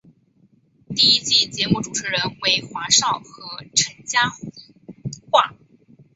第一季节目主持人为华少和陈嘉桦。